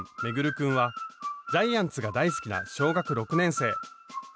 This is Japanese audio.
君はジャイアンツが大好きな小学６年生。